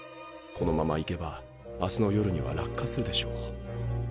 このままいけば明日の夜には落下するでしょう。